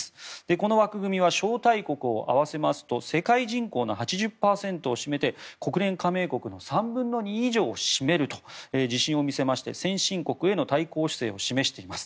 この枠組みは招待国を合わせますと世界人口の８０％を占めて国連加盟国の３分の２以上を占めると自信を見せ先進国への対抗姿勢を示しています。